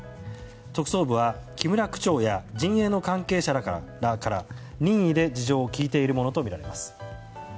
特捜部は木村区長や陣営の関係者らから任意で事情を聴いているものとみられます。